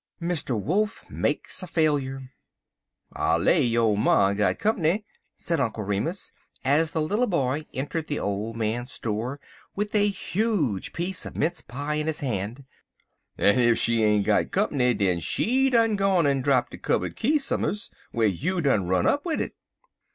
XI. MR. WOLF MAKES A FAILURE "I LAY yo' ma got comp'ny," said Uncle Remus, as the little boy entered the old man's door with a huge piece of mince pie in his hand, 'en ef she ain't got comp'ny, den she done gone en drap de cubberd key som'ers whar you done run up wid it."